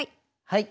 はい。